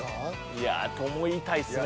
いやと思いたいですね。